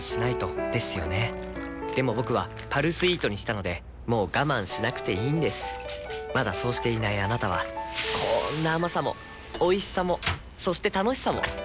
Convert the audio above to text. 僕は「パルスイート」にしたのでもう我慢しなくていいんですまだそうしていないあなたはこんな甘さもおいしさもそして楽しさもあちっ。